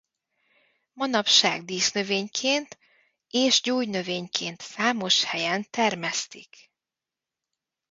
Manapság dísznövényként és gyógynövényként számos helyen termesztik.